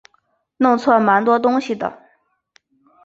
弄错蛮多东西的